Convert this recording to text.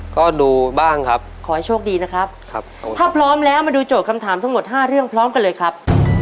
ก็ดูบ้างครับขอให้โชคดีนะครับผมถ้าพร้อมแล้วมาดูโจทย์คำถามทั้งหมด๕เรื่องพร้อมกันเลยครับ